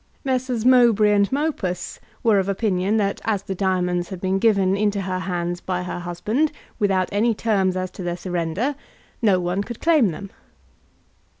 Messrs. Mowbray and Mopus were of opinion that as the diamonds had been given into her hands by her husband without any terms as to their surrender, no one could claim them.